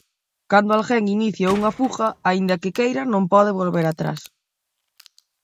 Cando alguén inicia unha fuga, aínda que queira non pode volver atrás.